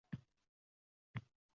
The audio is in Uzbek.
Bu xato